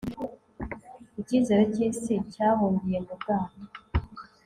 icyizere cy'isi cyahungiye mu bwato